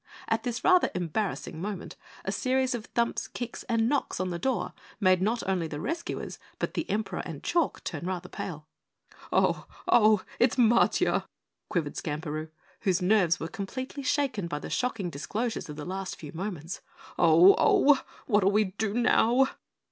At this rather embarrassing moment a series of thumps, kicks, and knocks on the door made not only the rescuers, but the Emperor and Chalk turn rather pale. "Oh! Oh! It's Matiah!" quavered Skamperoo, whose nerves were completely shaken by the shocking disclosures of the last few moments. "Oh! Oh! What'll we do now?"